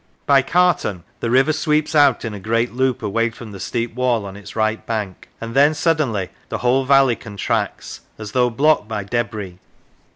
By Caton the river sweeps out in a great loop away from the steep wall on its right bank, and then, suddenly, the whole valley contracts, as though blocked by debris.